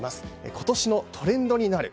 今年のトレンドになる。